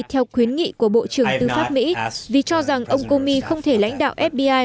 theo khuyến nghị của bộ trưởng tư pháp mỹ vì cho rằng ông komi không thể lãnh đạo fbi